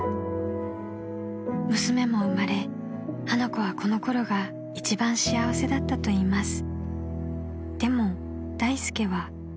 ［娘も生まれ花子はこのころが一番幸せだったといいます］